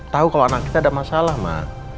tau kalo anak kita ada masalah ma